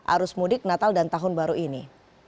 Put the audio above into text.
arus mudik natal dan tahun baru ini